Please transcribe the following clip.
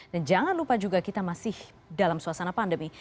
dan jangan lupa juga kita masih dalam suasana pandemi